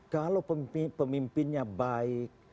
kalau pemimpinnya baik